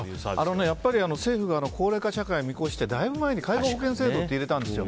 やっぱり政府が高齢化社会を見越してだいぶ前に介護保険制度って入れたんですよ。